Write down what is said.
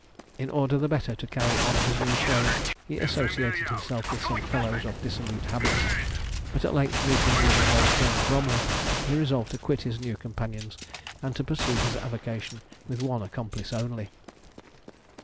In order the better to carry on his new trade, he associated himself with some fellows of dissolute habits, but at length meeting with his old friend Bromley, he resolved to quit his new companions and to pursue his avocation with one accomplice only.